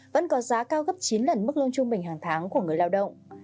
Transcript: vẫn có giá cao gấp chín lần mức lương trung bình hàng tháng của người lao động